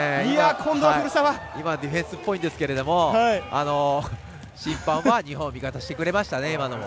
今のはディフェンスっぽいですけど審判は日本に味方してくれましたね、今のも。